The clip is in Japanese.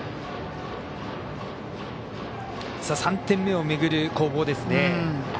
３点目を巡る攻防ですね。